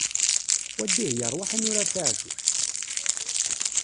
Wa Dihya ṛwaḥ ad nurar taɛcuct!